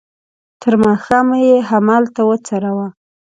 تر ماښامه یې همالته وڅروه.